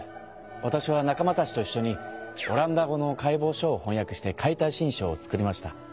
わたしは仲間たちといっしょにオランダ語の解剖書をほんやくして「解体新書」を作りました。